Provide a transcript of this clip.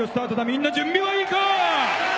みんな準備はいいか！